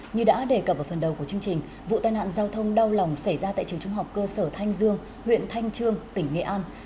như đã đề cập ở phần đầu của chương trình vụ tai nạn giao thông đau lòng xảy ra tại trường trung học cơ sở thanh dương huyện thanh trương tỉnh nghệ an